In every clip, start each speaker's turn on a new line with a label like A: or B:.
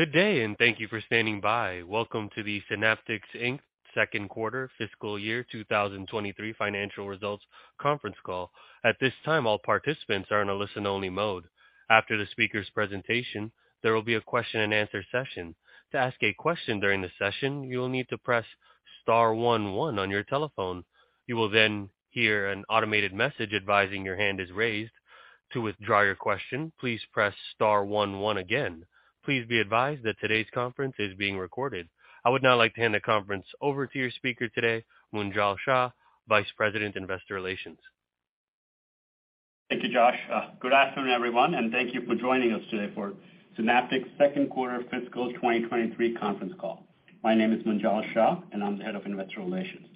A: Good day. Thank you for standing by. Welcome to the Synaptics Inc. second quarter fiscal year 2023 financial results conference call. At this time, all participants are in a listen-only mode. After the speaker's presentation, there will be a question-and-answer session. To ask a question during the session, you will need to press star one one on your telephone. You will hear an automated message advising your hand is raised. To withdraw your question, please press star one one again. Please be advised that today's conference is being recorded. I would now like to hand the conference over to your speaker today, Munjal Shah, Vice President, Investor Relations.
B: Thank you, Josh. Good afternoon, everyone, and thank you for joining us today for Synaptics second quarter fiscal 2023 conference call. My name is Munjal Shah, and I'm the Head of Investor Relations.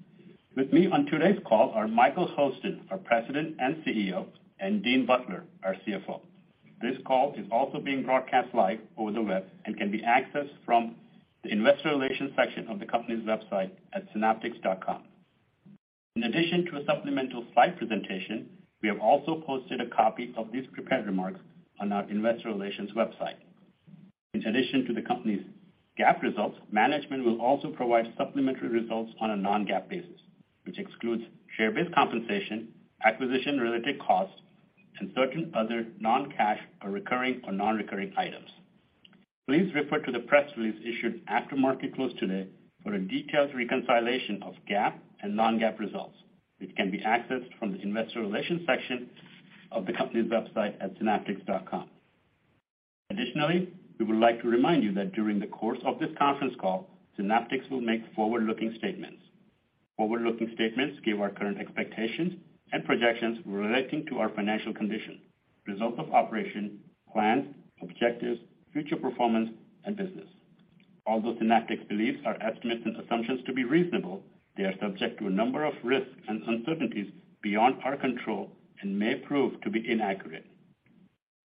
B: With me on today's call are Michael Hurlston, our President and CEO, and Dean Butler, our CFO. This call is also being broadcast live over the web and can be accessed from the investor relations section of the company's website at synaptics.com. In addition to a supplemental slide presentation, we have also posted a copy of these prepared remarks on our investor relations website. In addition to the company's GAAP results, management will also provide supplementary results on a non-GAAP basis, which excludes share-based compensation, acquisition-related costs, and certain other non-cash or recurring or non-recurring items. Please refer to the press release issued after market close today for a detailed reconciliation of GAAP and non-GAAP results, which can be accessed from the investor relations section of the company's website at synaptics.com. Additionally, we would like to remind you that during the course of this conference call, Synaptics will make forward-looking statements. Forward-looking statements give our current expectations and projections relating to our financial condition, results of operation, plans, objectives, future performance, and business. Although Synaptics believes our estimates and assumptions to be reasonable, they are subject to a number of risks and uncertainties beyond our control and may prove to be inaccurate.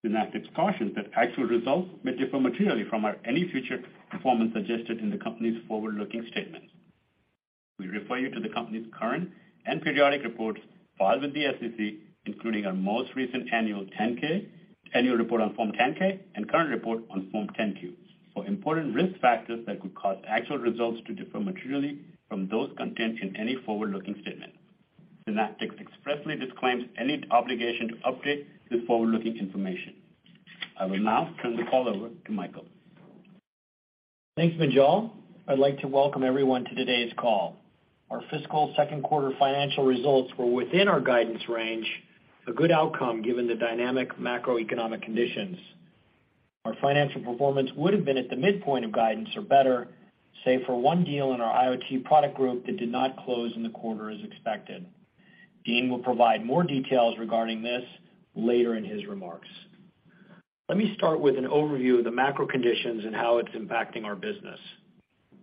B: Synaptics cautions that actual results may differ materially from our any future performance suggested in the company's forward-looking statements. We refer you to the company's current and periodic reports filed with the SEC, including our most recent annual 10-K, annual report on Form 10-K and current report on Form 10-Q for important risk factors that could cause actual results to differ materially from those contained in any forward-looking statement. Synaptics expressly disclaims any obligation to update this forward-looking information. I will now turn the call over to Michael.
C: Thanks, Munjal. I'd like to welcome everyone to today's call. Our fiscal second quarter financial results were within our guidance range, a good outcome given the dynamic macroeconomic conditions. Our financial performance would have been at the midpoint of guidance or better, say, for one deal in our IoT product group that did not close in the quarter as expected. Dean will provide more details regarding this later in his remarks. Let me start with an overview of the macro conditions and how it's impacting our business.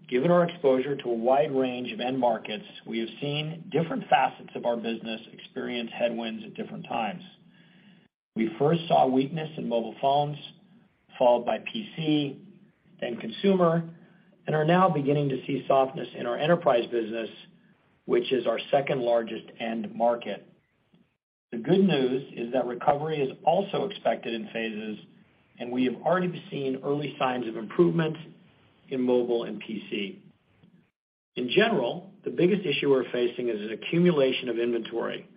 C: Given our exposure to a wide range of end markets, we have seen different facets of our business experience headwinds at different times. We first saw weakness in mobile phones, followed by PC, then consumer, and are now beginning to see softness in our enterprise business, which is our second largest end market. The good news is that recovery is also expected in phases, and we have already seen early signs of improvement in mobile and PC. In general, the biggest issue we're facing is an accumulation of inventory.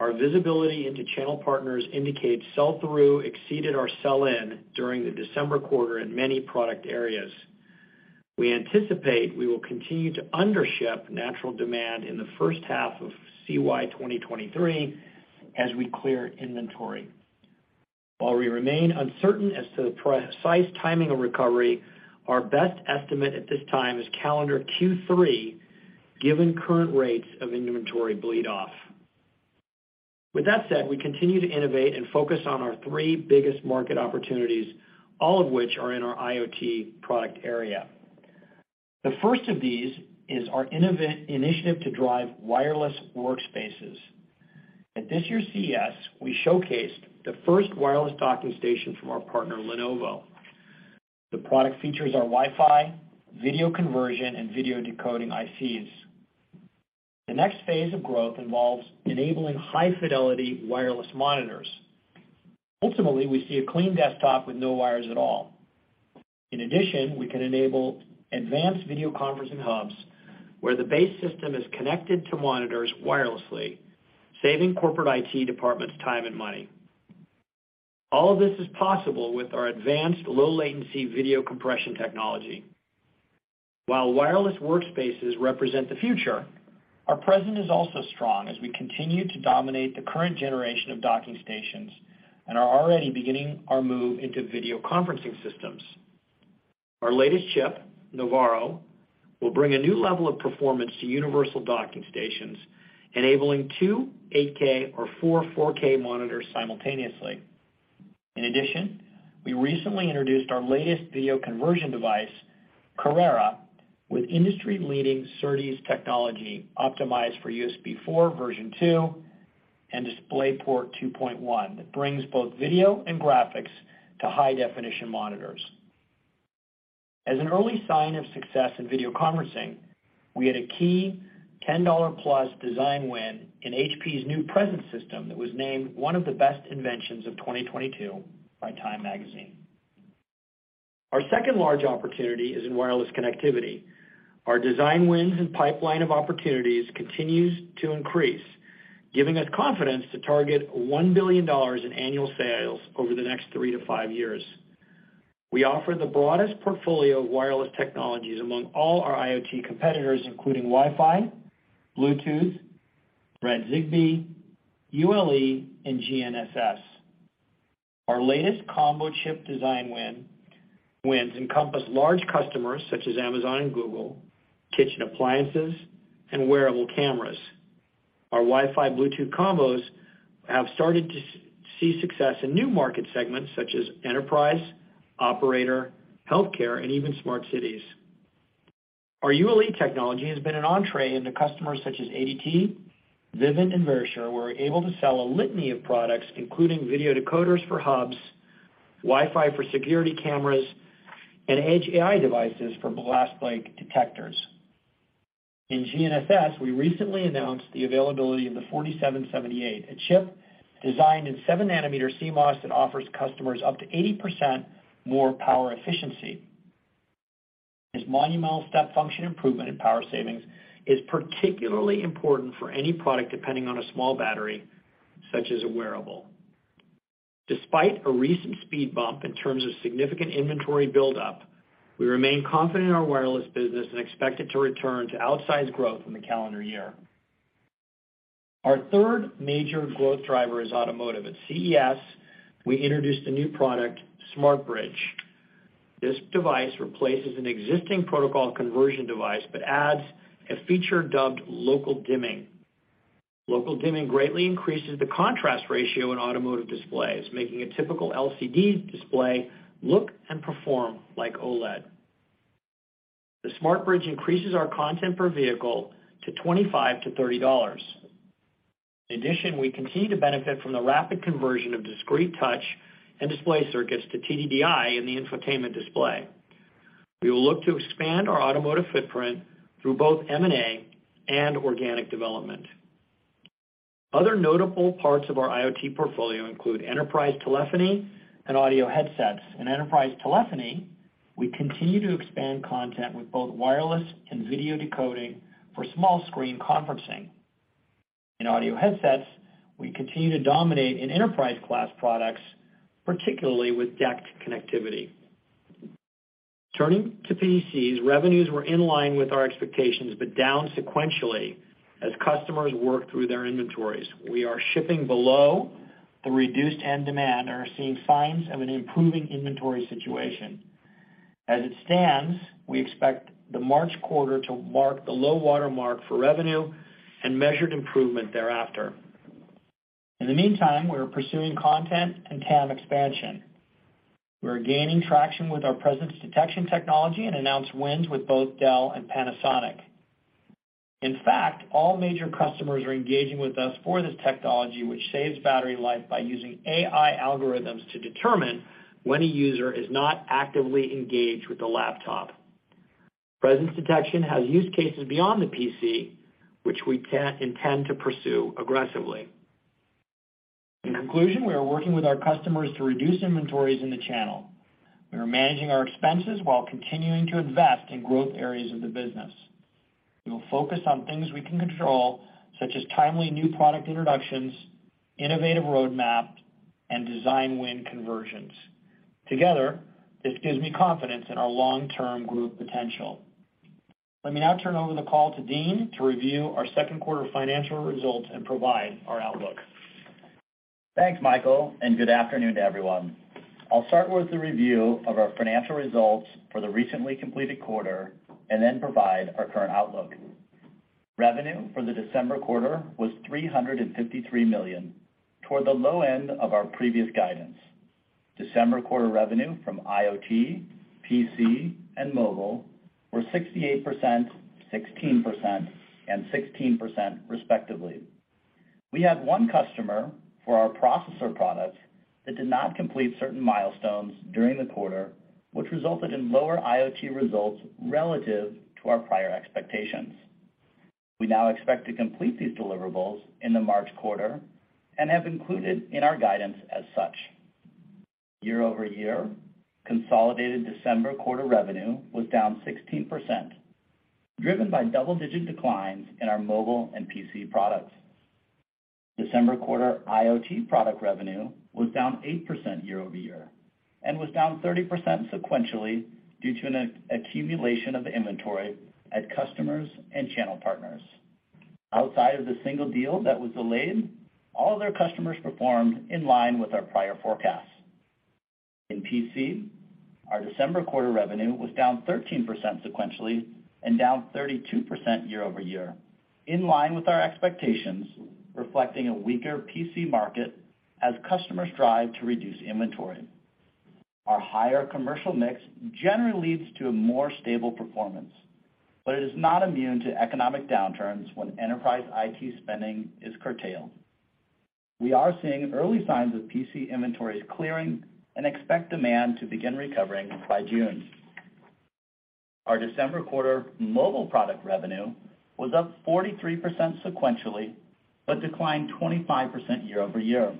C: Our visibility into channel partners indicates sell-through exceeded our sell-in during the December quarter in many product areas. We anticipate we will continue to undership natural demand in the first half of CY 2023 as we clear inventory. While we remain uncertain as to the precise timing of recovery, our best estimate at this time is calendar Q3, given current rates of inventory bleed off. With that said, we continue to innovate and focus on our three biggest market opportunities, all of which are in our IoT product area. The first of these is our initiative to drive wireless workspaces. At this year's CES, we showcased the first wireless docking station from our partner, Lenovo. The product features our Wi-Fi, video conversion, and video decoding ICs. The next phase of growth involves enabling high-fidelity wireless monitors. Ultimately, we see a clean desktop with no wires at all. We can enable advanced video conferencing hubs where the base system is connected to monitors wirelessly, saving corporate IT departments time and money. All of this is possible with our advanced low latency video compression technology. Wireless workspaces represent the future, our present is also strong as we continue to dominate the current generation of docking stations and are already beginning our move into video conferencing systems. Our latest chip, Navarro, will bring a new level of performance to universal docking stations, enabling 2 8K or 4 4K monitors simultaneously. We recently introduced our latest video conversion device, Carrera, with industry-leading SerDes technology optimized for USB4 Version 2.0 and DisplayPort 2.1 that brings both video and graphics to high-definition monitors. As an early sign of success in video conferencing. We had a key $10+ design win in HP's new presence system that was named one of the best inventions of 2022 by Time Magazine. Our second large opportunity is in wireless connectivity. Our design wins and pipeline of opportunities continues to increase, giving us confidence to target $1 billion in annual sales over the next 3 to 5 years. We offer the broadest portfolio of wireless technologies among all our IoT competitors, including Wi-Fi, Bluetooth, Zigbee, ULE, and GNSS. Our latest combo chip design wins encompass large customers such as Amazon and Google, kitchen appliances, and wearable cameras. Our Wi-Fi Bluetooth combos have started to see success in new market segments such as enterprise, operator, healthcare, and even smart cities. Our ULE technology has been an entree into customers such as ADT, Vivint, and Verisure. We're able to sell a litany of products, including video decoders for hubs, Wi-Fi for security cameras, and Edge AI devices for glass break detectors. In GNSS, we recently announced the availability of the 4778, a chip designed in 7 nm CMOS that offers customers up to 80% more power efficiency. This monumental step function improvement in power savings is particularly important for any product depending on a small battery, such as a wearable. Despite a recent speed bump in terms of significant inventory buildup, we remain confident in our wireless business and expect it to return to outsized growth in the calendar year. Our third major growth driver is automotive. At CES, we introduced a new product, SmartBridge. This device replaces an existing protocol conversion device but adds a feature dubbed Local Dimming. Local Dimming greatly increases the contrast ratio in automotive displays, making a typical LCD display look and perform like OLED. The SmartBridge increases our content per vehicle to $25-$30. In addition, we continue to benefit from the rapid conversion of discrete touch and display circuits to TDDI in the infotainment display. We will look to expand our automotive footprint through both M&A and organic development. Other notable parts of our IoT portfolio include enterprise telephony and audio headsets. In enterprise telephony, we continue to expand content with both wireless and video decoding for small screen conferencing. In audio headsets, we continue to dominate in enterprise-class products, particularly with DECT connectivity. Turning to PCs, revenues were in line with our expectations, but down sequentially as customers work through their inventories. We are shipping below the reduced end demand and are seeing signs of an improving inventory situation. As it stands, we expect the March quarter to mark the low water mark for revenue and measured improvement thereafter. In the meantime, we are pursuing content and TAM expansion. We are gaining traction with our Presence Detection technology and announced wins with both Dell and Panasonic. In fact, all major customers are engaging with us for this technology, which saves battery life by using AI algorithms to determine when a user is not actively engaged with the laptop. Presence Detection has use cases beyond the PC, which we intend to pursue aggressively. In conclusion, we are working with our customers to reduce inventories in the channel. We are managing our expenses while continuing to invest in growth areas of the business. We will focus on things we can control, such as timely new product introductions, innovative roadmap, and design win conversions. Together, this gives me confidence in our long-term group potential. Let me now turn over the call to Dean to review our second quarter financial results and provide our outlook.
D: Thanks, Michael. Good afternoon to everyone. I'll start with the review of our financial results for the recently completed quarter and then provide our current outlook. Revenue for the December quarter was $353 million, toward the low end of our previous guidance. December quarter revenue from IoT, PC, and mobile were 68%, 16%, and 16% respectively. We had one customer for our processor products that did not complete certain milestones during the quarter, which resulted in lower IoT results relative to our prior expectations. We now expect to complete these deliverables in the March quarter and have included in our guidance as such. Year-over-year, consolidated December quarter revenue was down 16%, driven by double-digit declines in our mobile and PC products. December quarter IoT product revenue was down 8% year-over-year and was down 30% sequentially due to an accumulation of inventory at customers and channel partners. Outside of the single deal that was delayed, all other customers performed in line with our prior forecasts. In PC, our December quarter revenue was down 13% sequentially and down 32% year-over-year, in line with our expectations, reflecting a weaker PC market as customers strive to reduce inventory. Our higher commercial mix generally leads to a more stable performance, but it is not immune to economic downturns when enterprise IT spending is curtailed. We are seeing early signs of PC inventories clearing and expect demand to begin recovering by June. Our December quarter mobile product revenue was up 43% sequentially, but declined 25% year-over-year.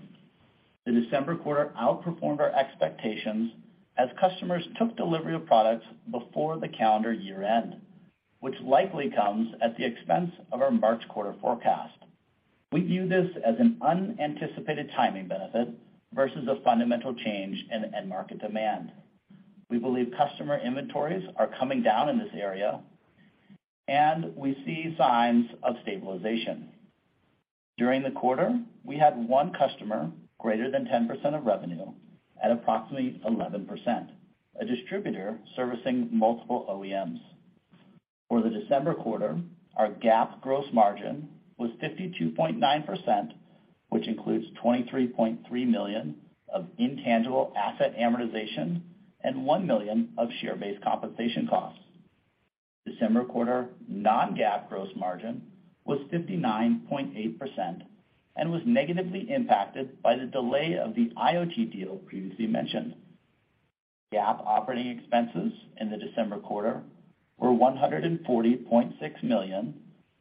D: The December quarter outperformed our expectations as customers took delivery of products before the calendar year end, which likely comes at the expense of our March quarter forecast. We view this as an unanticipated timing benefit versus a fundamental change in end market demand. We believe customer inventories are coming down in this area, and we see signs of stabilization. During the quarter, we had one customer greater than 10% of revenue at approximately 11%, a distributor servicing multiple OEMs. For the December quarter, our GAAP gross margin was 52.9%, which includes $23.3 million of intangible asset amortization and $1 million of share-based compensation costs. December quarter non-GAAP gross margin was 59.8% and was negatively impacted by the delay of the IoT deal previously mentioned. GAAP operating expenses in the December quarter were $140.6 million,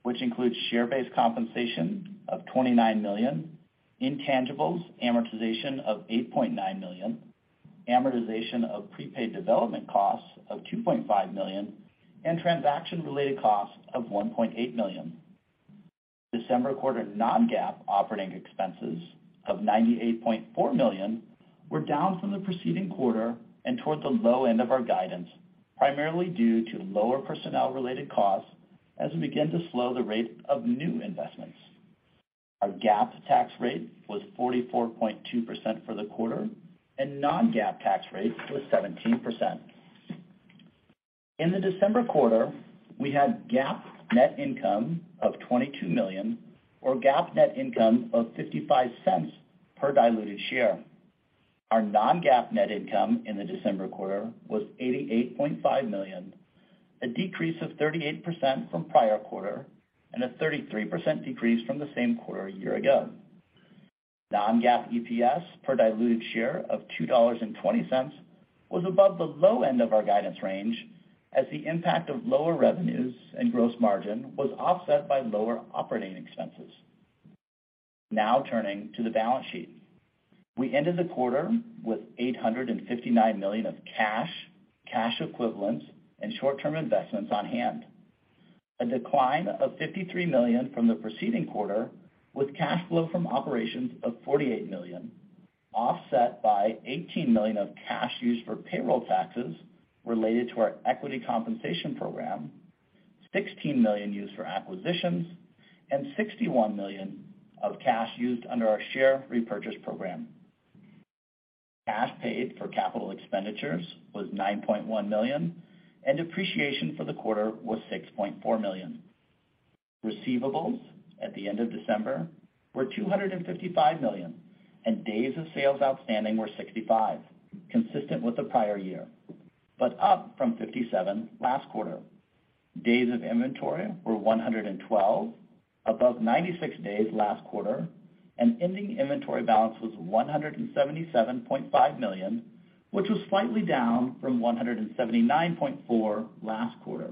D: which includes share-based compensation of $29 million, intangibles amortization of $8.9 million, amortization of prepaid development costs of $2.5 million, and transaction-related costs of $1.8 million. December quarter non-GAAP operating expenses of $98.4 million were down from the preceding quarter and towards the low end of our guidance, primarily due to lower personnel-related costs as we begin to slow the rate of new investments. Our GAAP tax rate was 44.2% for the quarter, and non-GAAP tax rate was 17%. In the December quarter, we had GAAP net income of $22 million or GAAP net income of $0.55 per diluted share. Our non-GAAP net income in the December quarter was $88.5 million, a decrease of 38% from prior quarter and a 33% decrease from the same quarter a year ago. Non-GAAP EPS per diluted share of $2.20 was above the low end of our guidance range as the impact of lower revenues and gross margin was offset by lower operating expenses. Turning to the balance sheet. We ended the quarter with $859 million of cash equivalents, and short-term investments on hand. A decline of $53 million from the preceding quarter, with cash flow from operations of $48 million, offset by $18 million of cash used for payroll taxes related to our equity compensation program, $16 million used for acquisitions, and $61 million of cash used under our share repurchase program. Cash paid for capital expenditures was $9.1 million, and depreciation for the quarter was $6.4 million. Receivables at the end of December were $255 million, and days of sales outstanding were 65, consistent with the prior year, but up from 57 last quarter. Days of inventory were 112, above 96 days last quarter, and ending inventory balance was $177.5 million, which was slightly down from $179.4 last quarter.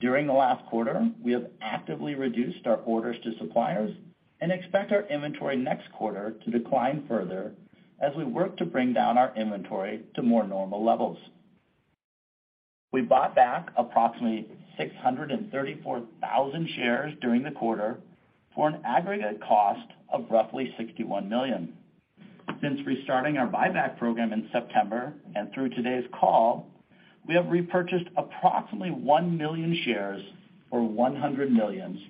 D: During the last quarter, we have actively reduced our orders to suppliers and expect our inventory next quarter to decline further as we work to bring down our inventory to more normal levels. We bought back approximately 634,000 shares during the quarter for an aggregate cost of roughly $61 million. Since restarting our buyback program in September and through today's call, we have repurchased approximately 1 million shares for $100 million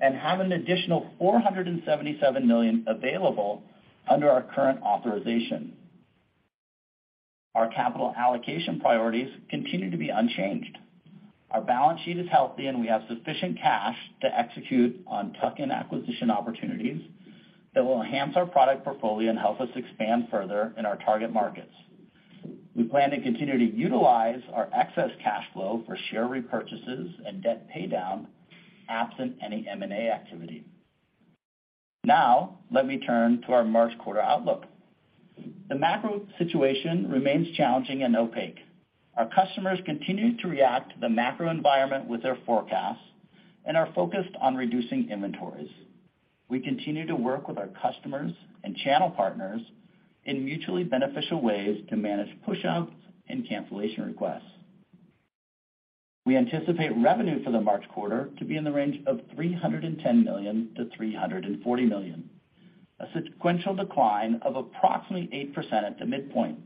D: and have an additional $477 million available under our current authorization. Our capital allocation priorities continue to be unchanged. Our balance sheet is healthy, and we have sufficient cash to execute on tuck-in acquisition opportunities that will enhance our product portfolio and help us expand further in our target markets. We plan to continue to utilize our excess cash flow for share repurchases and debt paydown absent any M&A activity. Let me turn to our March quarter outlook. The macro situation remains challenging and opaque. Our customers continue to react to the macro environment with their forecasts and are focused on reducing inventories. We continue to work with our customers and channel partners in mutually beneficial ways to manage pushouts and cancellation requests. We anticipate revenue for the March quarter to be in the range of $310 million-$340 million, a sequential decline of approximately 8% at the midpoint.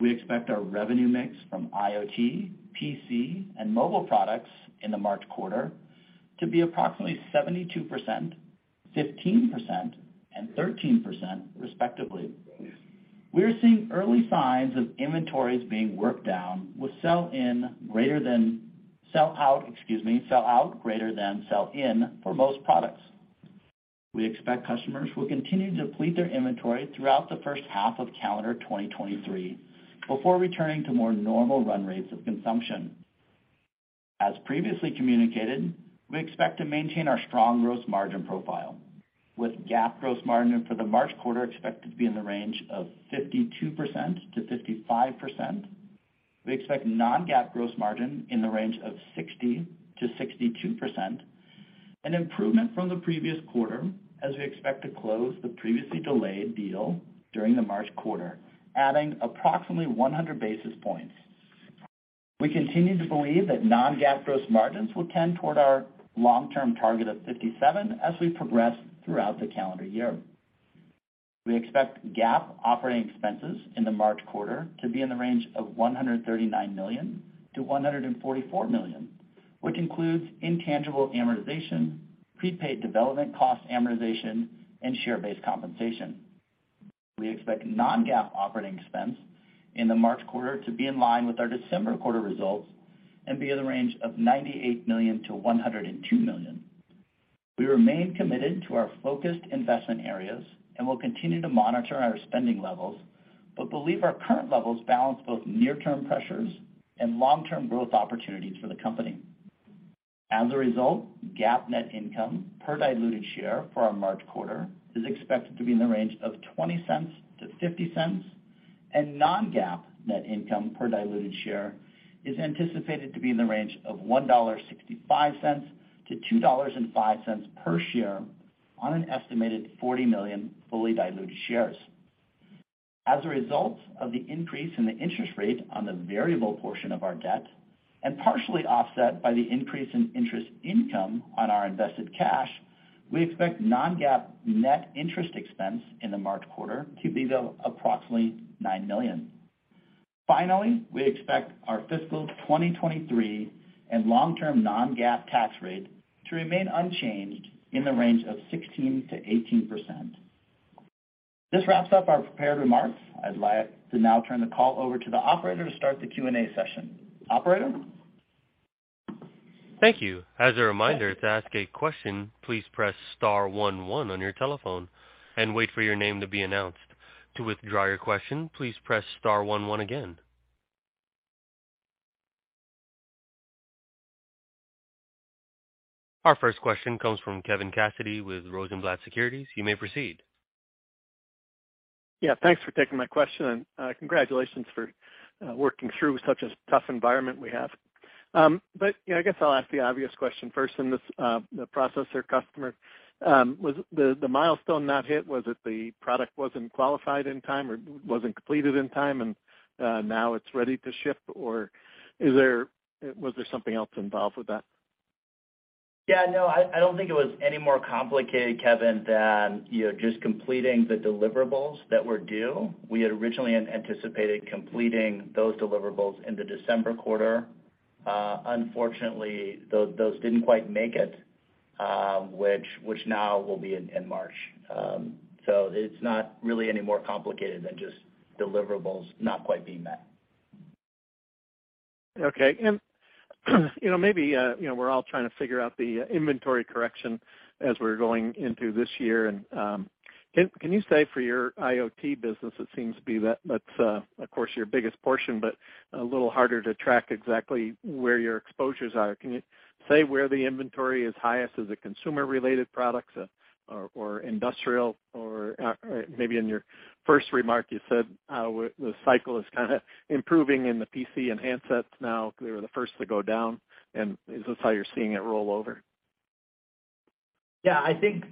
D: We expect our revenue mix from IoT, PC, and mobile products in the March quarter to be approximately 72%, 15%, and 13% respectively. We're seeing early signs of inventories being worked down with sellout greater than sell in for most products. We expect customers will continue to deplete their inventory throughout the first half of calendar 2023 before returning to more normal run rates of consumption. As previously communicated, we expect to maintain our strong gross margin profile with GAAP gross margin for the March quarter expected to be in the range of 52%-55%. We expect non-GAAP gross margin in the range of 60%-62%, an improvement from the previous quarter as we expect to close the previously delayed deal during the March quarter, adding approximately 100 basis points. We continue to believe that non-GAAP gross margins will tend toward our long-term target of 57% as we progress throughout the calendar year. We expect GAAP operating expenses in the March quarter to be in the range of $139 million-$144 million, which includes intangible amortization, prepaid development cost amortization, and share-based compensation. We expect non-GAAP operating expense in the March quarter to be in line with our December quarter results and be in the range of $98 million-$102 million. We remain committed to our focused investment areas and will continue to monitor our spending levels, but believe our current levels balance both near-term pressures and long-term growth opportunities for the company. As a result, GAAP net income per diluted share for our March quarter is expected to be in the range of $0.20-$0.50, and non-GAAP net income per diluted share is anticipated to be in the range of $1.65-$2.05 per share on an estimated 40 million fully diluted shares. As a result of the increase in the interest rate on the variable portion of our debt, and partially offset by the increase in interest income on our invested cash, we expect non-GAAP net interest expense in the March quarter to be approximately $9 million. Finally, we expect our fiscal 2023 and long-term non-GAAP tax rate to remain unchanged in the range of 16%-18%. This wraps up our prepared remarks. I'd like to now turn the call over to the operator to start the Q&A session. Operator?
A: Thank you. As a reminder, to ask a question, please press star one one on your telephone and wait for your name to be announced. To withdraw your question, please press star one one again. Our first question comes from Kevin Cassidy with Rosenblatt Securities. You may proceed.
E: Yeah, thanks for taking my question. Congratulations for working through such a tough environment we have. You know, I guess I'll ask the obvious question first in this, the processor customer. Was the milestone not hit? Was it the product wasn't qualified in time or wasn't completed in time and now it's ready to ship? Was there something else involved with that?
D: Yeah, no, I don't think it was any more complicated, Kevin, than, you know, just completing the deliverables that were due. We had originally anticipated completing those deliverables in the December quarter. Unfortunately, those didn't quite make it, which now will be in March. It's not really any more complicated than just deliverables not quite being met.
E: Okay. You know, maybe, you know, we're all trying to figure out the inventory correction as we're going into this year. Can you say for your IoT business, it seems to be that that's, of course, your biggest portion, but a little harder to track exactly where your exposures are. Can you say where the inventory is highest as a consumer-related products, or industrial or maybe in your first remark, you said, where the cycle is kind of improving in the PC and handsets now because they were the first to go down. Is this how you're seeing it roll over?
D: Yeah, I think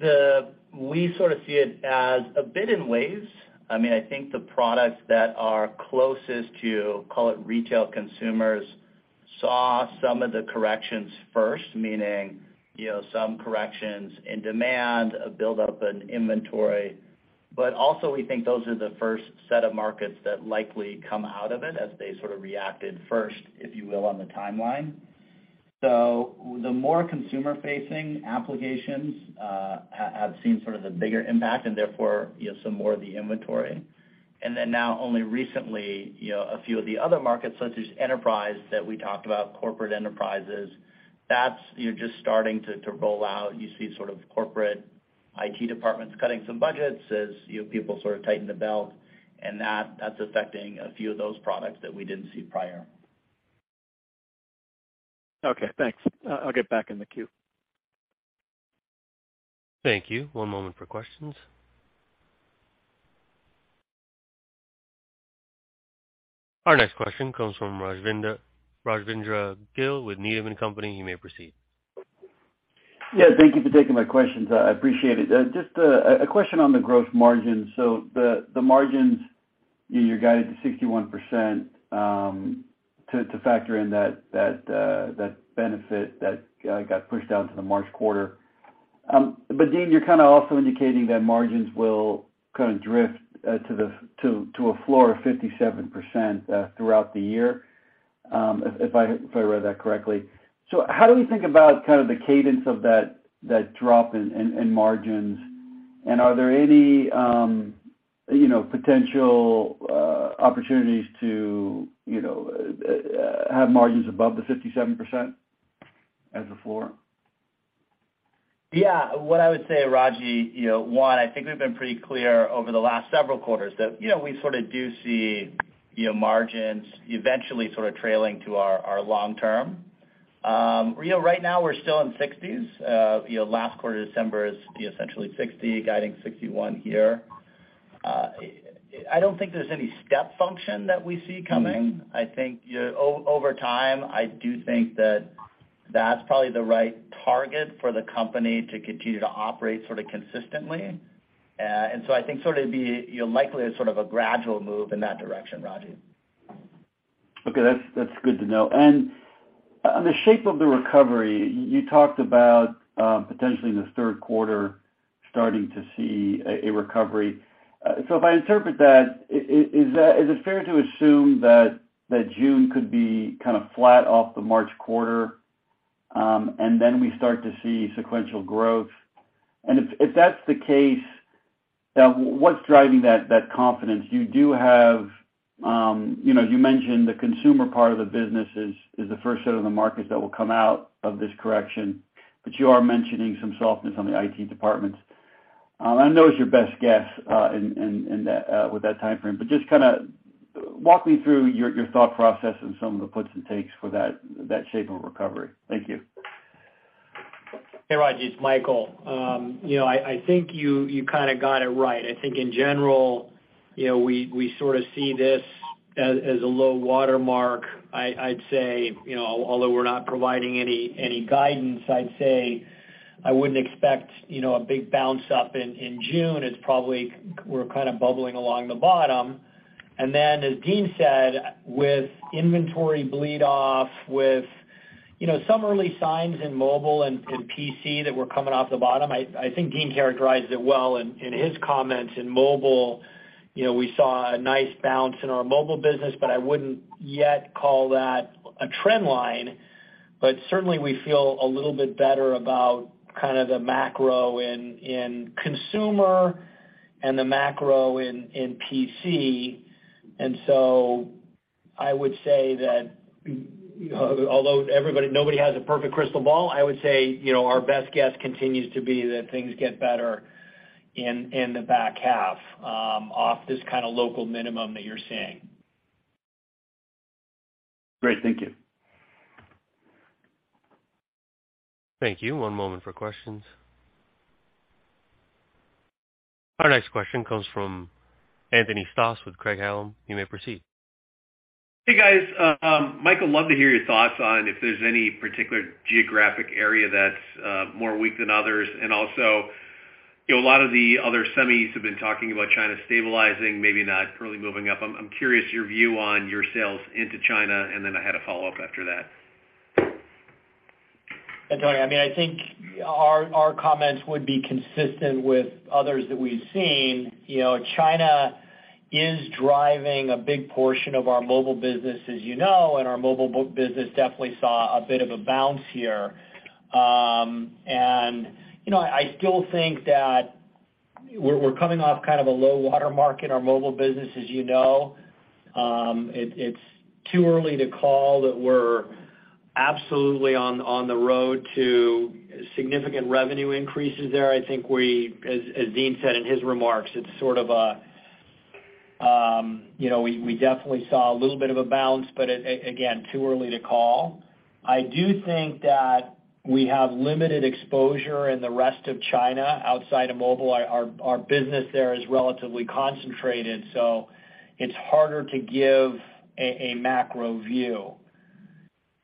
D: we sort of see it as a bit in waves. I mean, I think the products that are closest to, call it retail consumers saw some of the corrections first, meaning, you know, some corrections in demand, a build up in inventory. Also we think those are the first set of markets that likely come out of it as they sort of reacted first, if you will, on the timeline. The more consumer-facing applications have seen sort of the bigger impact and therefore, you know, some more of the inventory. Now only recently, you know, a few of the other markets such as enterprise that we talked about, corporate enterprises, that's, you know, just starting to roll out. You see sort of corporate IT departments cutting some budgets as, you know, people sort of tighten the belt, and that's affecting a few of those products that we didn't see prior.
E: Okay, thanks. I'll get back in the queue.
A: Thank you. One moment for questions. Our next question comes from Rajvindra Gill with Needham & Company. You may proceed.
F: Yeah, thank you for taking my questions. I appreciate it. Just a question on the gross margin. The margins, you guided to 61%, to factor in that benefit that got pushed out to the March quarter. Dean, you're kind of also indicating that margins will kind of drift to a floor of 57% throughout the year, if I read that correctly. How do we think about kind of the cadence of that drop in margins? Are there any, you know, potential opportunities to, you know, have margins above the 57% as a floor?
D: Yeah. What I would say, Raji, you know, one, I think we've been pretty clear over the last several quarters that, you know, we sort of do see, you know, margins eventually sort of trailing to our long term. You know, right now we're still in 60s%. You know, last quarter, December is essentially 60%, guiding 61% here. I don't think there's any step function that we see coming. I think over time, I do think that that's probably the right target for the company to continue to operate sort of consistently. I think sort of be likely sort of a gradual move in that direction, Raji.
F: Okay, that's good to know. On the shape of the recovery, you talked about potentially in the third quarter starting to see a recovery. If I interpret that, is it fair to assume that June could be kind of flat off the March quarter, and then we start to see sequential growth? If that's the case, then what's driving that confidence? You do have, you know, you mentioned the consumer part of the business is the first set of the markets that will come out of this correction, but you are mentioning some softness on the IT departments. I know it's your best guess, in that, with that timeframe, but just kinda walk me through your thought process and some of the puts and takes for that shape of recovery. Thank you.
C: Hey, Raji, it's Michael. you know, I think you kinda got it right. I think in general, you know, we sort of see this as a low watermark. I'd say, you know, although we're not providing any guidance, I'd say I wouldn't expect, you know, a big bounce up in June. It's probably we're kind of bubbling along the bottom. Then, as Dean said, with inventory bleed off, with, you know, some early signs in mobile and in PC that we're coming off the bottom. I think Dean characterized it well in his comments. In mobile, you know, we saw a nice bounce in our mobile business, but I wouldn't yet call that a trend line. Certainly we feel a little bit better about kind of the macro in consumer and the macro in PC. I would say that although nobody has a perfect crystal ball, I would say, you know, our best guess continues to be that things get better in the back half, off this kind of local minimum that you're seeing.
F: Great. Thank you.
A: Thank you. One moment for questions. Our next question comes from Anthony Stoss with Craig-Hallum. You may proceed.
G: Hey, guys. Michael, love to hear your thoughts on if there's any particular geographic area that's more weak than others. You know, a lot of the other semis have been talking about China stabilizing, maybe not really moving up. I'm curious your view on your sales into China. I had a follow-up after that.
C: Yeah, Tony, I mean, I think our comments would be consistent with others that we've seen. You know, China is driving a big portion of our mobile business, as you know, and our mobile business definitely saw a bit of a bounce here. You know, I still think that we're coming off kind of a low watermark in our mobile business, as you know. It's too early to call that we're absolutely on the road to significant revenue increases there. I think as Dean said in his remarks, it's sort of a, you know, we definitely saw a little bit of a bounce, but again, too early to call. I do think that we have limited exposure in the rest of China outside of mobile. Our business there is relatively concentrated, so it's harder to give a macro view.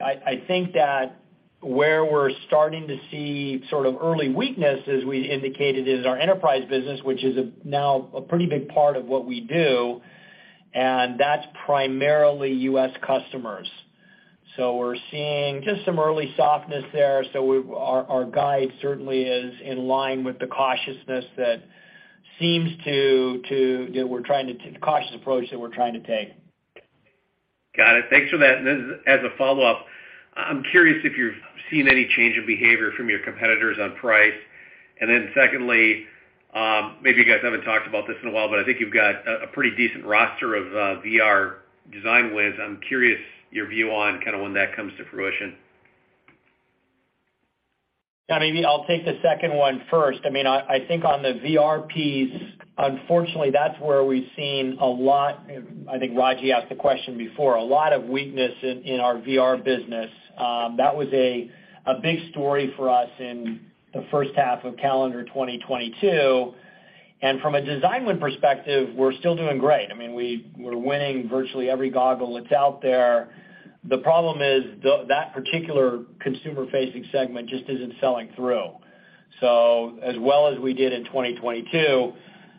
C: I think that where we're starting to see sort of early weakness, as we indicated, is our enterprise business, which is now a pretty big part of what we do, and that's primarily U.S. customers. We're seeing just some early softness there. Our guide certainly is in line with the cautiousness that seems to the cautious approach that we're trying to take.
G: Got it. Thanks for that. As a follow-up, I'm curious if you've seen any change in behavior from your competitors on price. Secondly, maybe you guys haven't talked about this in a while, but I think you've got a pretty decent roster of VR design wins. I'm curious your view on kind of when that comes to fruition.
C: Yeah, maybe I'll take the second one first. I mean, I think on the VR piece, unfortunately, that's where we've seen a lot, I think Raji asked the question before, a lot of weakness in our VR business. That was a big story for us in the first half of calendar 2022. From a design win perspective, we're still doing great. I mean, we're winning virtually every goggle that's out there. The problem is that particular consumer-facing segment just isn't selling through. As well as we did in 2022,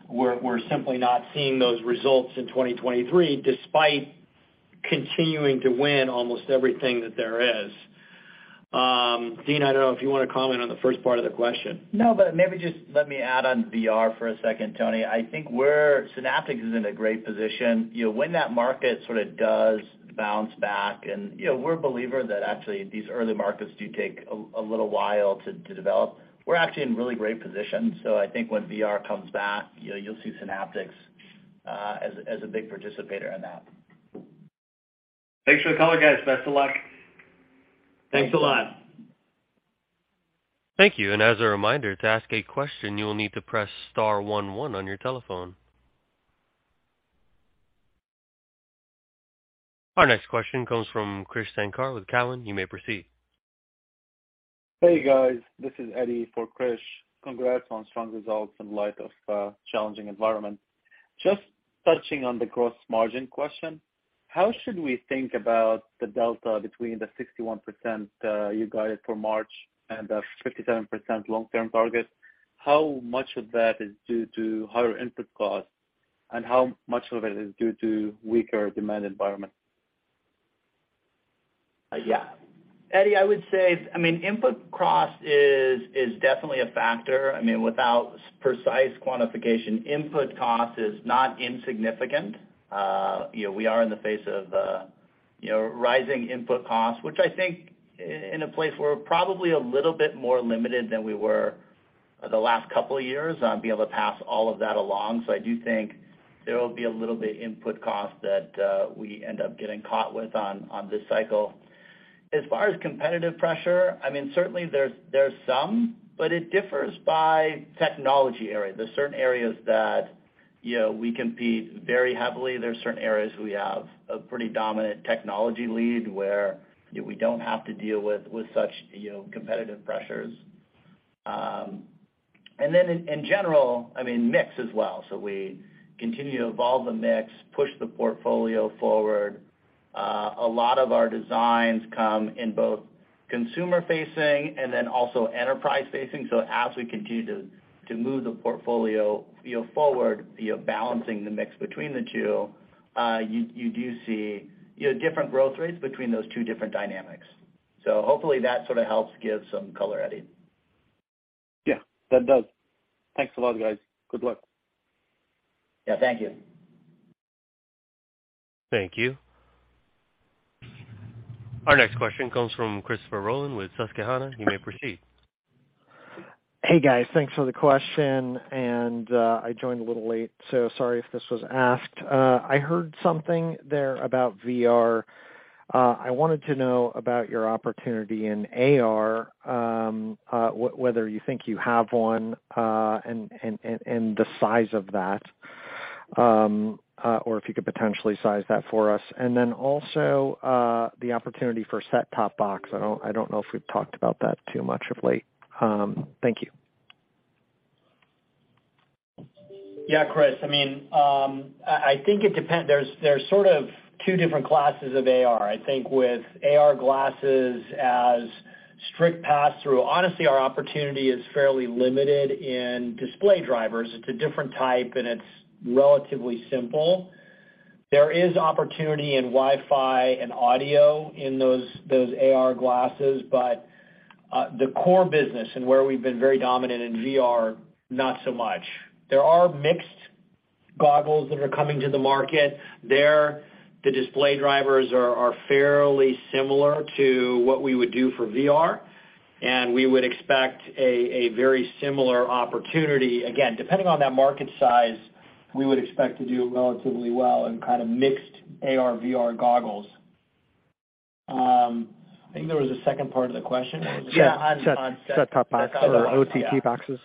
C: we're simply not seeing those results in 2023, despite continuing to win almost everything that there is. Dean, I don't know if you wanna comment on the first part of the question.
D: No, maybe just let me add on VR for a second, Tony. I think Synaptics is in a great position. You know, when that market sort of does bounce back, and, you know, we're a believer that actually these early markets do take a little while to develop. We're actually in really great position. I think when VR comes back, you know, you'll see Synaptics, as a big participator in that.
G: Thanks for the color, guys. Best of luck.
C: Thanks a lot.
A: Thank you. As a reminder, to ask a question, you will need to press star one one on your telephone. Our next question comes from Krish Sankar with Cowen. You may proceed.
H: Hey, guys. This is Eddie for Krish. Congrats on strong results in light of challenging environment. Just touching on the gross margin question, how should we think about the delta between the 61%, you guided for March and the 57% long-term target? How much of that is due to higher input costs, and how much of it is due to weaker demand environment?
C: Eddie, I would say, I mean, input cost is definitely a factor. I mean, without precise quantification, input cost is not insignificant. you know, we are in the face of, you know, rising input costs, which I think in a place where we're probably a little bit more limited than we were the last couple of years to be able to pass all of that along. I do think there will be a little bit input cost that we end up getting caught with on this cycle. As far as competitive pressure, I mean, certainly there's some, but it differs by technology area. There's certain areas that, you know, we compete very heavily. There's certain areas we have a pretty dominant technology lead where, you know, we don't have to deal with such, you know, competitive pressures. In general, I mean, mix as well. We continue to evolve the mix, push the portfolio forward. A lot of our designs come in both consumer-facing and then also enterprise-facing. As we continue to move the portfolio, you know, forward, you know, balancing the mix between the two, you do see, you know, different growth rates between those two different dynamics. Hopefully that sort of helps give some color, Eddie.
H: Yeah, that does. Thanks a lot, guys. Good luck.
C: Yeah, thank you.
A: Thank you. Our next question comes from Christopher Rolland with Susquehanna. You may proceed.
I: Hey, guys. Thanks for the question and I joined a little late, so sorry if this was asked. I heard something there about VR. I wanted to know about your opportunity in AR, whether you think you have one, and the size of that, or if you could potentially size that for us. Also, the opportunity for set-top box. I don't know if we've talked about that too much of late. Thank you.
C: Chris. I mean, I think there's sort of two different classes of AR. I think with AR glasses as strict pass-through, honestly, our opportunity is fairly limited in display drivers. It's a different type, and it's relatively simple. There is opportunity in Wi-Fi and audio in those AR glasses, but the core business and where we've been very dominant in VR, not so much. There are mixed goggles that are coming to the market. There, the display drivers are fairly similar to what we would do for VR, and we would expect a very similar opportunity. Again, depending on that market size, we would expect to do relatively well in kind of mixed AR/VR goggles. I think there was a second part of the question.
I: Yeah. Set-top box or OTT boxes.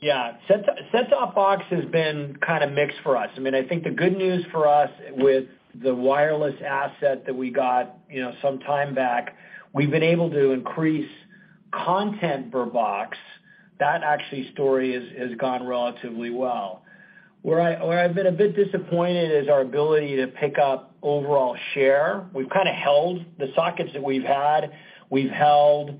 D: Set-top box has been kind of mixed for us. I mean, I think the good news for us with the wireless asset that we got, you know, some time back, we've been able to increase content per box. That actually story has gone relatively well. Where I've been a bit disappointed is our ability to pick up overall share. We've kinda held the sockets that we've had, we've held.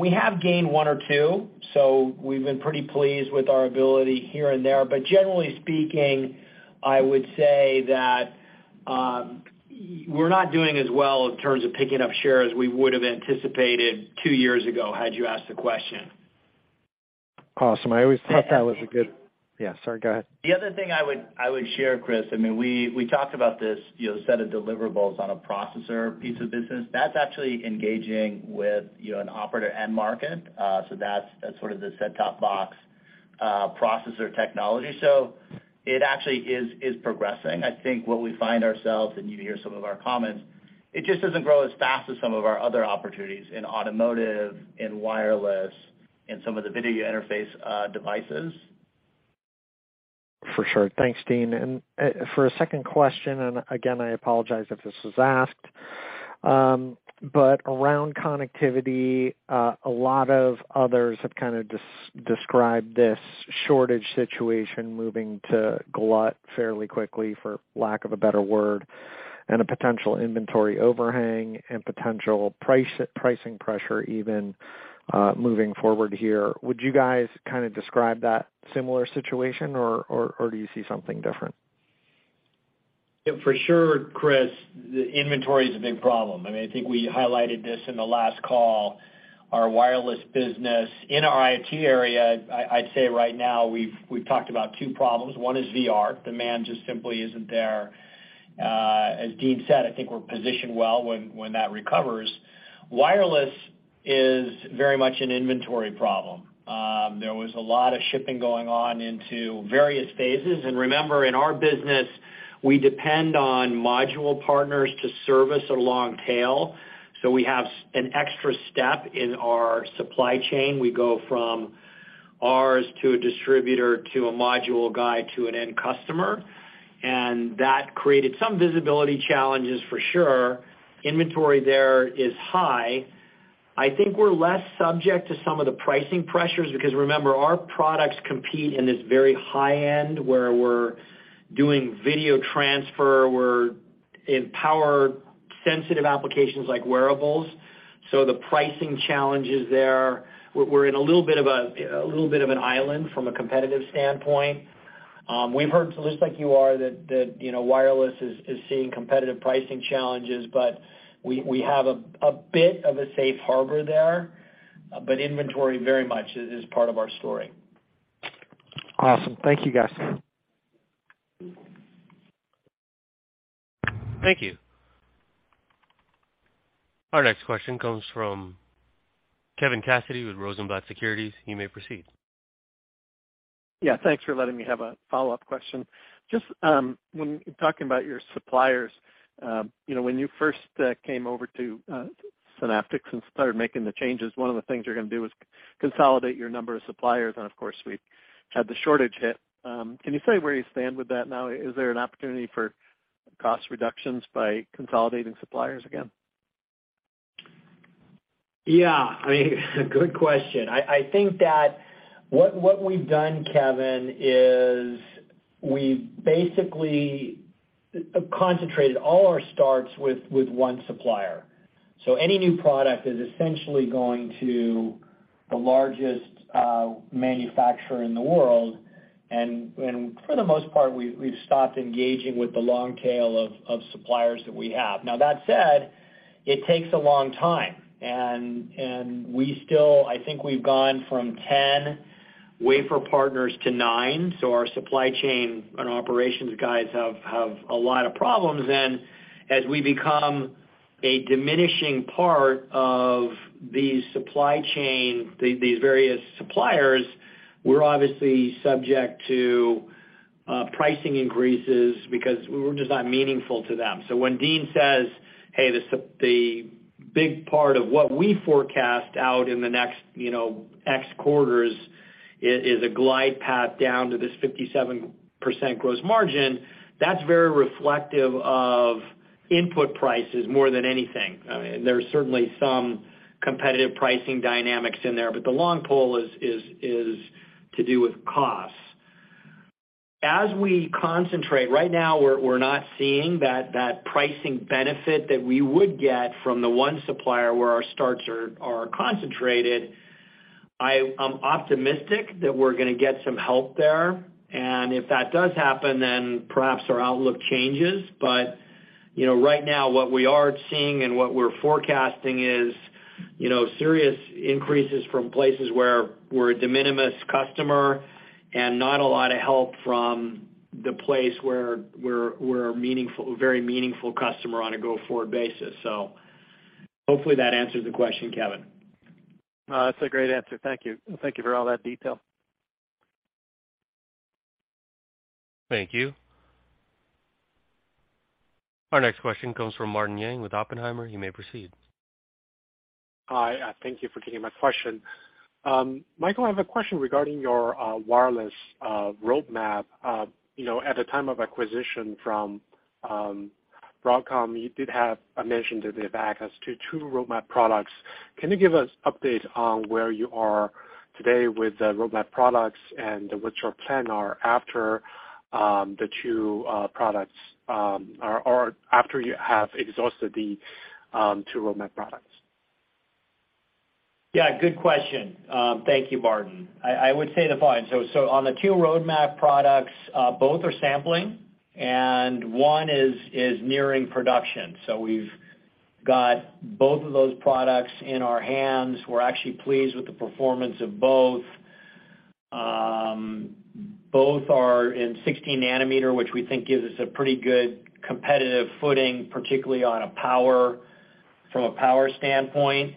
D: We have gained one or two, so we've been pretty pleased with our ability here and there. Generally speaking, I would say that we're not doing as well in terms of picking up shares we would have anticipated two years ago, had you asked the question.
I: Awesome. I always thought that was a good.
D: The other thing-
I: Yeah, sorry, go ahead.
D: The other thing I would share, Chris, I mean, we talked about this, you know, set of deliverables on a processor piece of business. That's actually engaging with, you know, an operator end market. That's sort of the set-top box, processor technology. It actually is progressing. I think what we find ourselves, and you can hear some of our comments, it just doesn't grow as fast as some of our other opportunities in automotive, in wireless, in some of the video interface, devices.
I: For sure. Thanks, Dean. For a second question, and again, I apologize if this was asked. But around connectivity, a lot of others have kinda described this shortage situation moving to glut fairly quickly, for lack of a better word, and a potential inventory overhang and potential pricing pressure even moving forward here. Would you guys kinda describe that similar situation or do you see something different?
C: Yeah, for sure, Chris, the inventory is a big problem. I mean, I think we highlighted this in the last call. Our wireless business in our IoT area, I'd say right now we've talked about two problems. One is VR. Demand just simply isn't there. As Dean said, I think we're positioned well when that recovers. Wireless is very much an inventory problem. There was a lot of shipping going on into various phases. Remember, in our business, we depend on module partners to service a long tail. We have an extra step in our supply chain. We go from ours to a distributor to a module guy to an end customer, and that created some visibility challenges for sure. Inventory there is high. I think we're less subject to some of the pricing pressures because remember, our products compete in this very high end where we're doing video transfer, we're in power sensitive applications like wearables. The pricing challenges there, we're in a little bit of an island from a competitive standpoint. We've heard, just like you are, that, you know, wireless is seeing competitive pricing challenges, but we have a bit of a safe harbor there, but inventory very much is part of our story.
I: Awesome. Thank you, guys.
A: Thank you. Our next question comes from Kevin Cassidy with Rosenblatt Securities. You may proceed.
E: Yeah, thanks for letting me have a follow-up question. Just, when talking about your suppliers, you know, when you first came over to Synaptics and started making the changes, one of the things you're gonna do is consolidate your number of suppliers, and of course, we've had the shortage hit. Can you say where you stand with that now? Is there an opportunity for cost reductions by consolidating suppliers again?
C: Yeah. I mean, good question. I think that what we've done, Kevin, is we've basically concentrated all our starts with one supplier. Any new product is essentially going to the largest manufacturer in the world. For the most part, we've stopped engaging with the long tail of suppliers that we have. Now, that said, it takes a long time. We still I think we've gone from 10 wafer partners to 9, so our supply chain and operations guys have a lot of problems. As we become a diminishing part of these supply chain, these various suppliers, we're obviously subject to pricing increases because we're just not meaningful to them. When Dean says, "Hey, the big part of what we forecast out in the next, you know, X quarters is a glide path down to this 57% gross margin," that's very reflective of input prices more than anything. There's certainly some competitive pricing dynamics in there. The long pole is to do with costs. As we concentrate, right now we're not seeing that pricing benefit that we would get from the one supplier where our starts are concentrated. I'm optimistic that we're gonna get some help there, and if that does happen, then perhaps our outlook changes. you know, right now what we are seeing and what we're forecasting is, you know, serious increases from places where we're a de minimis customer and not a lot of help from the place where we're a meaningful, a very meaningful customer on a go-forward basis. Hopefully that answers the question, Kevin.
E: No, that's a great answer. Thank you. Thank you for all that detail.
A: Thank you. Our next question comes from Martin Yang with Oppenheimer. You may proceed.
J: Hi. Thank you for taking my question. Michael, I have a question regarding your wireless roadmap. You know, at the time of acquisition from Broadcom, you did have a mention that they have access to two roadmap products. Can you give us update on where you are today with the roadmap products and what your plan are after the two products, or after you have exhausted the two roadmap products?
C: Yeah, good question. Thank you, Martin. I would say the following. On the two roadmap products, both are sampling, and one is nearing production. We've got both of those products in our hands. We're actually pleased with the performance of both. Both are in 16 nm, which we think gives us a pretty good competitive footing, particularly from a power standpoint.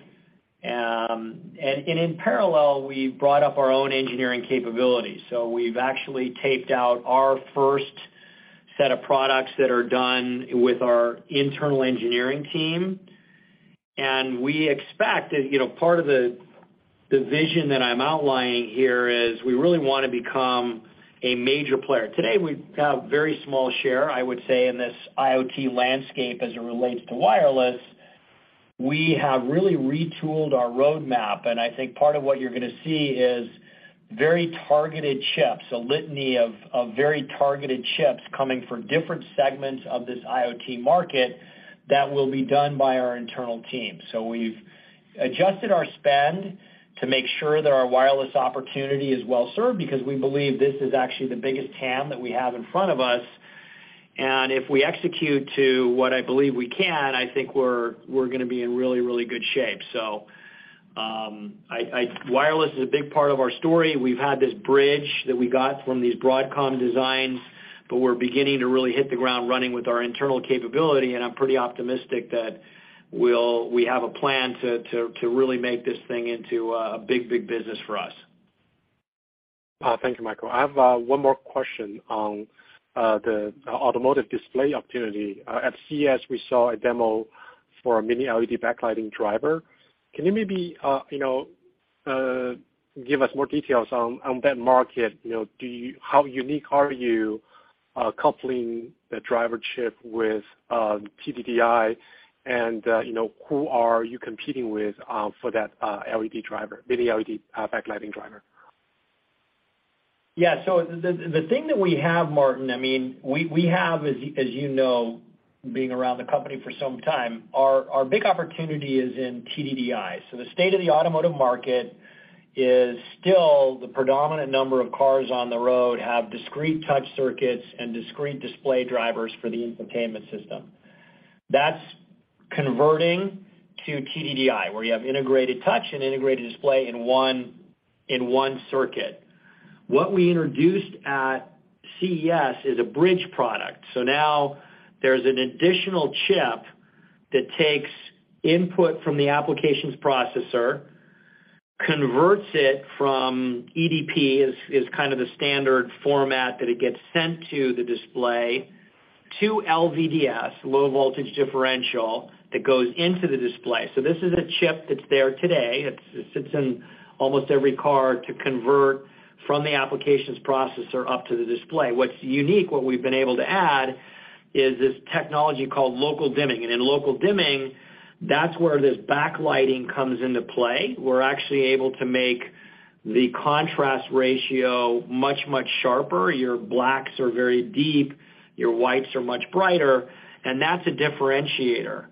C: In parallel, we brought up our own engineering capabilities. We've actually taped out our first set of products that are done with our internal engineering team. We expect, as you know, part of the vision that I'm outlining here is we really wanna become a major player. Today, we have very small share, I would say, in this IoT landscape as it relates to wireless. We have really retooled our roadmap, and I think part of what you're gonna see is very targeted chips, a litany of very targeted chips coming from different segments of this IoT market that will be done by our internal team. We've adjusted our spend to make sure that our wireless opportunity is well served because we believe this is actually the biggest TAM that we have in front of us. If we execute to what I believe we can, I think we're gonna be in really, really good shape. Wireless is a big part of our story. We've had this bridge that we got from these Broadcom designs. We're beginning to really hit the ground running with our internal capability, and I'm pretty optimistic that we have a plan to really make this thing into a big, big business for us.
J: Thank you, Michael. I have one more question on the automotive display opportunity. At CES, we saw a demo for a Mini LED backlighting driver. Can you maybe, you know, give us more details on that market? You know, how unique are you coupling the driver chip with TDDI and, you know, who are you competing with for that LED driver, Mini LED backlighting driver?
C: Yeah. The thing that we have, Martin, I mean, we have as you know, being around the company for some time, our big opportunity is in TDDI. The state of the automotive market is still the predominant number of cars on the road have discrete touch circuits and discrete display drivers for the infotainment system. That's converting to TDDI, where you have integrated touch and integrated display in one circuit. What we introduced at CES is a bridge product. Now there's an additional chip that takes input from the applications processor, converts it from eDP, is kind of the standard format that it gets sent to the display, to LVDS, low voltage differential, that goes into the display. This is a chip that's there today. It sits in almost every car to convert from the applications processor up to the display. What's unique, what we've been able to add is this technology called Local Dimming. In Local Dimming, that's where this backlighting comes into play. We're actually able to make the contrast ratio much, much sharper. Your blacks are very deep, your whites are much brighter, and that's a differentiator.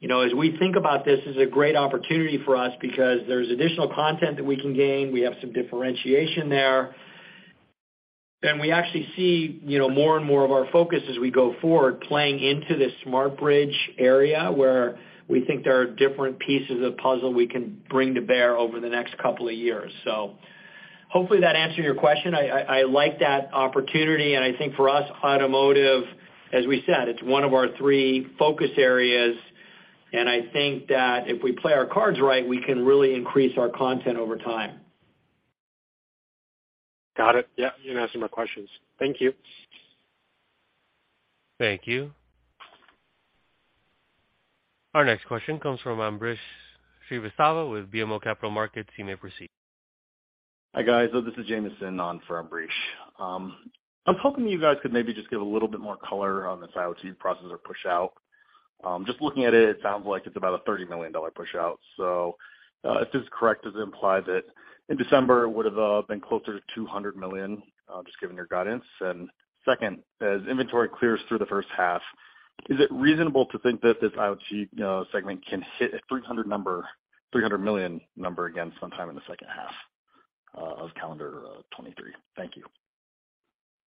C: you know, as we think about this is a great opportunity for us because there's additional content that we can gain. We have some differentiation there. We actually see, you know, more and more of our focus as we go forward playing into this SmartBridge area where we think there are different pieces of the puzzle we can bring to bear over the next couple of years. Hopefully that answered your question. I like that opportunity and I think for us, automotive, as we said, it's one of our three focus areas. I think that if we play our cards right, we can really increase our content over time.
J: Got it. Didn't ask any more questions. Thank you.
A: Thank you. Our next question comes from Ambrish Srivastava with BMO Capital Markets. You may proceed.
K: Hi, guys. This is Jameson on for Ambrish. I'm hoping you guys could maybe just give a little bit more color on this IoT processor push out. Just looking at it sounds like it's about a $30 million push out. If this is correct, does it imply that in December it would have been closer to $200 million just given your guidance? Second, as inventory clears through the first half, is it reasonable to think that this IoT, you know, segment can hit a $300 million number again sometime in the second half of calendar 2023? Thank you.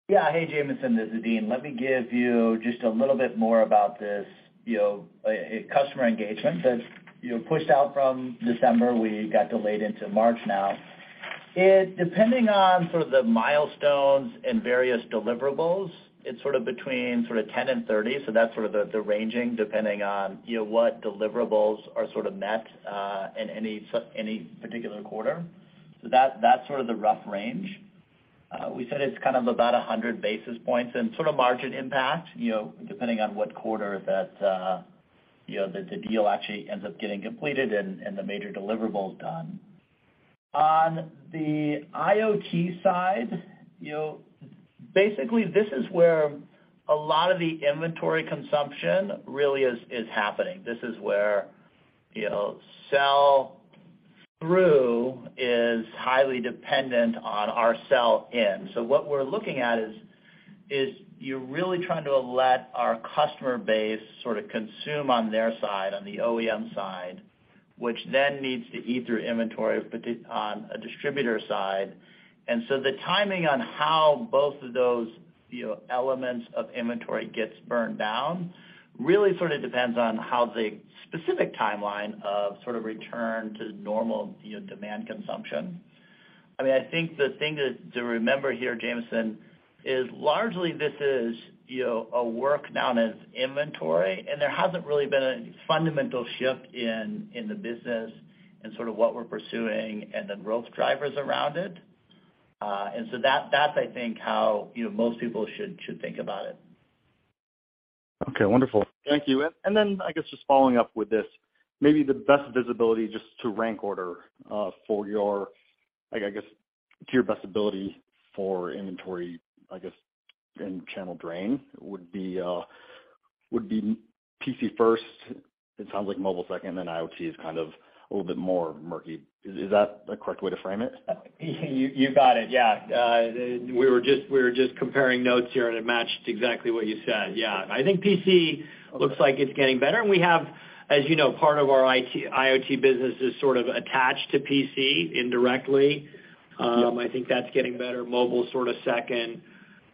D: Yeah. Hey, Jameson, this is Dean. Let me give you just a little bit more about this, you know, a customer engagement that's, you know, pushed out from December. We got delayed into March now. It, depending on sort of the milestones and various deliverables, it's sort of between sort of 10 and 30. That's sort of the ranging depending on, you know, what deliverables are sort of met in any particular quarter. That's sort of the rough range. We said it's kind of about 100 basis points and sort of margin impact, you know, depending on what quarter that, you know, the deal actually ends up getting completed and the major deliverables done. On the IoT side, you know, basically this is where a lot of the inventory consumption really is happening. This is where, you know, sell through is highly dependent on our sell-in. What we're looking at is you're really trying to let our customer base sort of consume on their side, on the OEM side, which then needs to eat through inventory, but on a distributor side. The timing on how both of those, you know, elements of inventory gets burned down really sort of depends on how the specific timeline of sort of return to normal, you know, demand consumption. I mean, I think the thing to remember here, Jameson, is largely this is, you know, a work down as inventory, and there hasn't really been a fundamental shift in the business and sort of what we're pursuing and the growth drivers around it. That, that's, I think how, you know, most people should think about it.
K: Okay, wonderful. Thank you. I guess just following up with this, maybe the best visibility just to rank order for your, like, I guess, to your best ability for inventory, I guess, in channel drain would be PC first. It sounds like mobile second, then IoT is kind of a little bit more murky. Is that a correct way to frame it?
C: You got it, yeah. We were just comparing notes here and it matched exactly what you said. I think PC looks like it's getting better. We have, as you know, part of our IoT business is sort of attached to PC indirectly. I think that's getting better. Mobile sort of second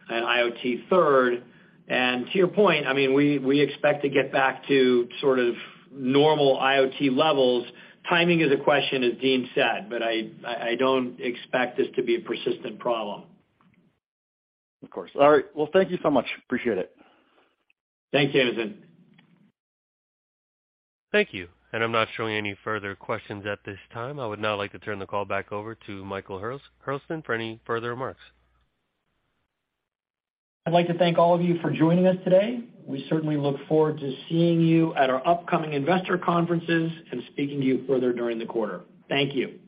C: and IoT third. To your point, I mean, we expect to get back to sort of normal IoT levels. Timing is a question, as Dean said, but I don't expect this to be a persistent problem.
K: Of course. All right. Thank you so much. Appreciate it.
C: Thanks, Jameson.
A: Thank you. I'm not showing any further questions at this time. I would now like to turn the call back over to Michael Hurlston for any further remarks.
C: I'd like to thank all of you for joining us today. We certainly look forward to seeing you at our upcoming investor conferences and speaking to you further during the quarter. Thank you.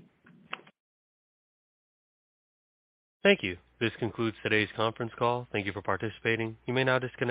A: Thank you. This concludes today's conference call. Thank you for participating. You may now disconnect.